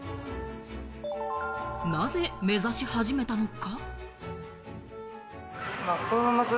なぜ目指し始めたのか？